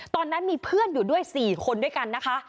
ตอนนั้นมีเพื่อนอยู่ด้วย๔คนด้วยกันนะคะ